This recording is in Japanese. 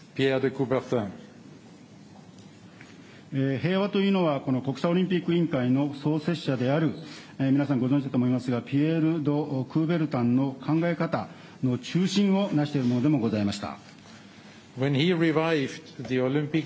平和というのは国際オリンピック委員会の創設者である、皆さんご存じだと思いますが、ピエール・ド・クーベルタンの考え方の中心を成しているものでもございました。